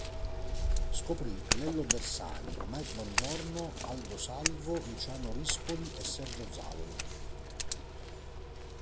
Scoprì Lello Bersani, Mike Bongiorno, Aldo Salvo, Luciano Rispoli e Sergio Zavoli.